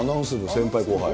先輩、後輩。